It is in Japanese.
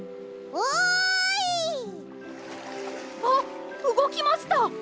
あうごきました！